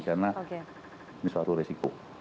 karena ini suatu risiko